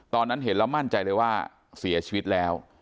ตอนนั้นเห็นแล้วมั่นใจเลยว่าเสียชีวิตแล้ว